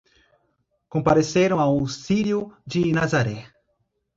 Compareceram ao Círio de Nazaré